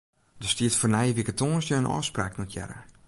Der stiet foar nije wike tongersdei in ôfspraak notearre.